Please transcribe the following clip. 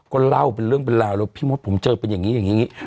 ก็เล่าเป็นเรื่องเป็นราวแล้วพี่มดผมเจอเป็นอย่างนี้อย่างนี้